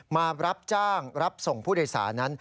มารับจ้างรับส่งผู้โดยสารนั้น